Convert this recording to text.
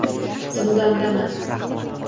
Zindondaman